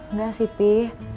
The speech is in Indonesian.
nggak sih pi